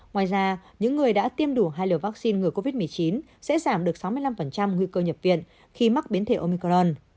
ngoài ra những người đã tiêm đủ hai liều vaccine ngừa covid một mươi chín sẽ giảm được sáu mươi năm nguy cơ nhập viện khi mắc biến thể omicron